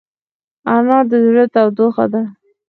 انا د زړه تودوخه ده